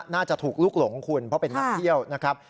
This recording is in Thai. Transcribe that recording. น่าจะถูกลุกหลงคุณเพราะเป็นนักเที่ยวนะครับ